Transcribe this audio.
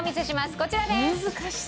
こちらです！